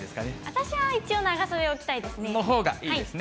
私は一応、長袖を着たいですね。